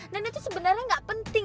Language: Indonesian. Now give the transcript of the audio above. dan itu sebenarnya nggak penting